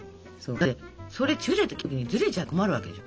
だってそれ中心切った時ずれちゃうと困るわけでしょ。